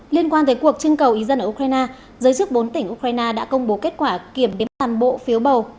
liên quan tới cuộc trưng cầu ý dân ở ukraine giới chức bốn tỉnh ukraine đã công bố kết quả kiểm đếm toàn bộ phiếu bầu